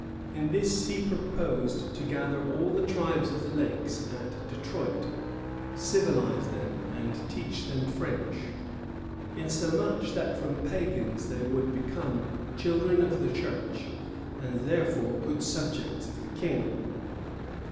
In this he proposed to gather all the tribes of the lakes at Detroit, civilize them and teach them French, "insomuch that from pagans they would become children of the Church, and therefore good subjects of the King."